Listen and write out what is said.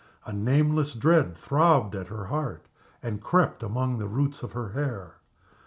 A nameless dread throbbed at her heart and crept among the roots of her hair.